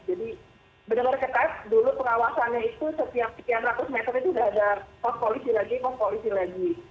jadi benar benar ketat dulu pengawasannya itu setiap sekian ratus meter itu udah ada pos polisi lagi pos polisi lagi